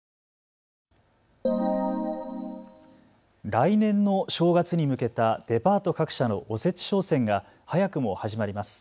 来年の正月に向けたデパート各社のおせち商戦が早くも始まります。